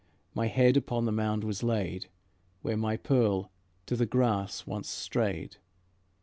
My head upon the mound was laid Where my pearl to the grass once strayed.